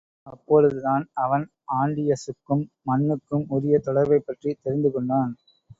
அப்பொழுதுதான் அவன் ஆன்டியஸுக்கும் மண்ணுக்கும் உரிய தொடர்பைப்பற்றித் தெரிந்துகொண்டான்.